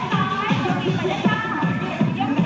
ไทท์โคลไทท์ไปเร่ดด้วย